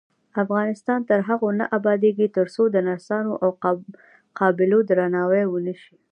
افغانستان تر هغو نه ابادیږي، ترڅو د نرسانو او قابلو درناوی ونشي.